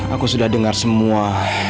aku sudah dengar semua